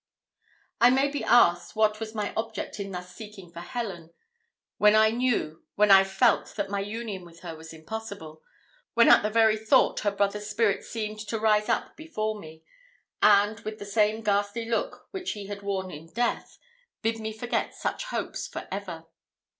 It may be asked what was my object in thus seeking for Helen, when I knew, when I felt that my union with her was impossible when at the very thought her brother's spirit seemed to rise up before me, and, with the same ghastly look which he had worn in death, bid me forget such hopes for ever.